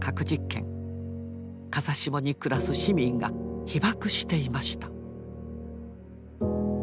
風下に暮らす市民が被ばくしていました。